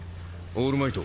オールマイト。